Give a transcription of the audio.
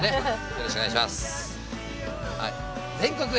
よろしくお願いします。